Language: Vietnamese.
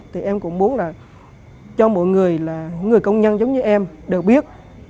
thì em cũng muốn là cho mọi người là người công nhân giống như em đều biết